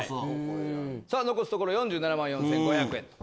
残すところ４７万４５００円。